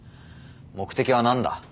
目的は何だ？